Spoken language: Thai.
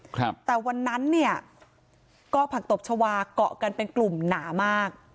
ครับแต่วันนั้นเนี่ยก็ผักตบชาวาเกาะกันเป็นกลุ่มหนามาก